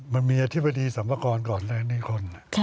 มันมีอธิบดีสรรพากรก่อนเลยในคน